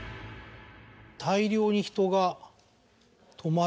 大量に人が泊まる所。